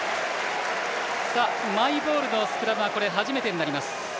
マイボールのスクラムは初めてになります。